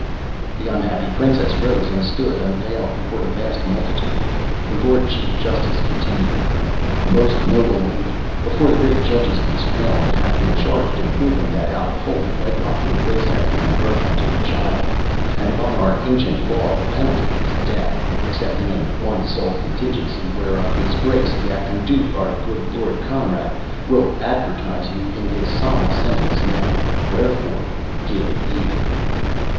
The unhappy princess rose and stood unveiled before the vast multitude. The Lord Chief Justice continued: "Most noble lady, before the great judges of this realm it hath been charged and proven that out of holy wedlock your Grace hath given birth unto a child; and by our ancient law the penalty is death, excepting in one sole contingency, whereof his Grace the acting Duke, our good Lord Conrad, will advertise you in his solemn sentence now; wherefore, give heed."